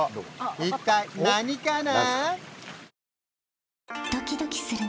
一体何かな？